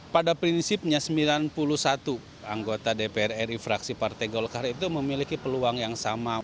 pada prinsipnya sembilan puluh satu anggota dpr ri fraksi partai golkar itu memiliki peluang yang sama